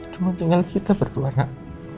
cuma tinggal kita berdua lah